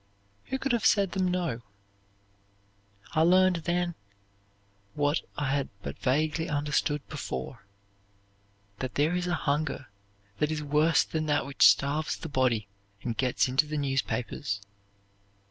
Who could have said them no? "I learned then what I had but vaguely understood before, that there is a hunger that is worse than that which starves the body and gets into the newspapers.